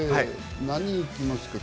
何いきますか？